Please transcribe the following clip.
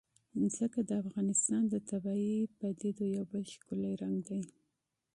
ځمکه د افغانستان د طبیعي پدیدو یو بل ښکلی رنګ دی.